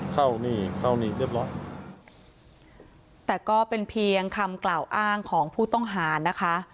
เข้านี่เข้านี่เรียบร้อยแต่ก็เป็นเพียงคำกล่าวอ้างของผู้ต้องหานะคะ